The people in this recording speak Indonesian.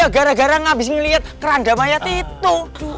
gara gara ngabis ngelihat keranda mayat itu